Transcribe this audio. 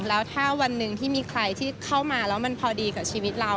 แล้วถ้าวันหนึ่งที่มีใครที่เข้ามาแล้วมันพอดีกับชีวิตเรา